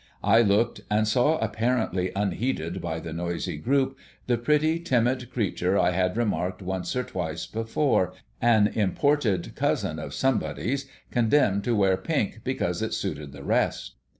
I looked, and saw apparently unheeded by the noisy group, the pretty, timid creature I had remarked once or twice before, an imported cousin of somebody's, condemned to wear pink because it suited the rest.